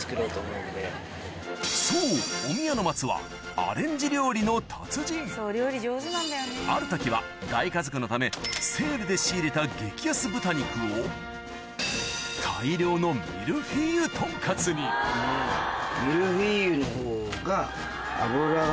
そうお宮の松はある時は大家族のためセールで仕入れた激安豚肉を大量のミルフィーユとんかつにミルフィーユの方が。